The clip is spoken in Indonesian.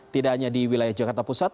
tidak hanya di wilayah jakarta pusat